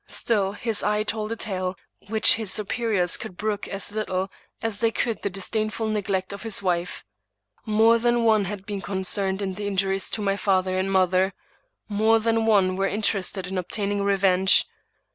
Still his eye told a tale which his superiors could brook as little as they could the disdainful neglect of his wife. More than one had been concerned in 148 Thomas De Quincey the injuries to my father and mother ; more than one were interested in obtaining revenge.